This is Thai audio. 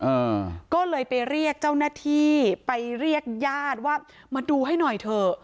อ่าก็เลยไปเรียกเจ้าหน้าที่ไปเรียกญาติว่ามาดูให้หน่อยเถอะ